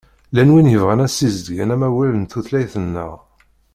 Llan wid yebɣan ad sizedgen amawal n tutlayt-nneɣ.